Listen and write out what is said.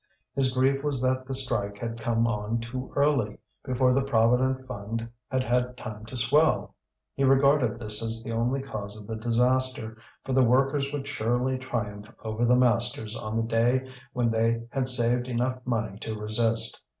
His grief was that the strike had come on too early, before the Provident Fund had had time to swell. He regarded this as the only cause of the disaster, for the workers would surely triumph over the masters on the day when they had saved enough money to resist.